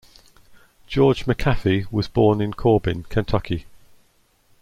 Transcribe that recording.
George McAfee was born in Corbin, Kentucky.